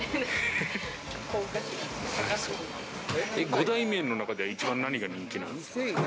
五大麺の中では一番何が人気なんですか？